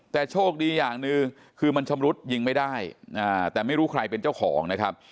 แต่โชคดีอย่างหนึ่งคือมันชำรุดยิงไม่ได้แต่ไม่รู้ใครเป็นเจ้าของนะครับ